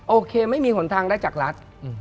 โอเคไม่มีหนทางได้จากรัฐ